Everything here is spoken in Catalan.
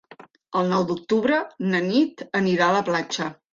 El nou d'octubre na Nit anirà a la platja.